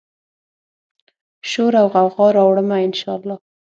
شوراوغوغا راوړمه، ان شا الله